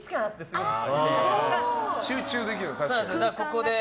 集中できる、確かに。